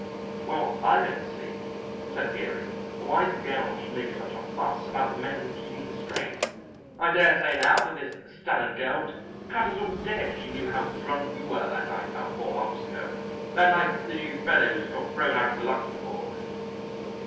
"Well, I don't see," said Geary, "why the girls should make such a fuss about the men keeping straight. I daresay now that this Stannard girl would cut us all dead if she knew how drunk we were that night about four months ago that night that you fellows got thrown out of the Luxembourg."